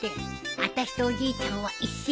あたしとおじいちゃんは一心同体。